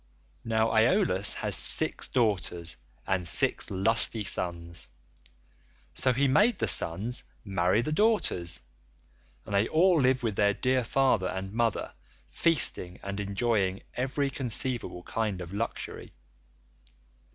Now, Aeolus has six daughters and six lusty sons, so he made the sons marry the daughters, and they all live with their dear father and mother, feasting and enjoying every conceivable kind of luxury.